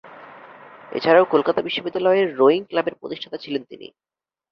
এছাড়াও কলকাতা বিশ্ববিদ্যালয়ের রোয়িং ক্লাবের প্রতিষ্ঠাতা ছিলেন তিনি।